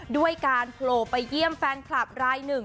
ด้วยการโผล่ไปเยี่ยมแฟนคลับรายหนึ่ง